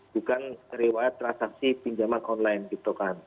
bukan riwayat transaksi pinjaman online gitu kan